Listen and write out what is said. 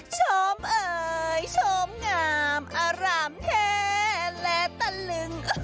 ชมเอ่ยโชมงามอารามแท้และตะลึง